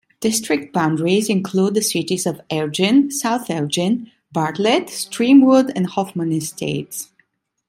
District boundaries include the cities of Elgin, South Elgin, Bartlett, Streamwood, and Hoffman Estates.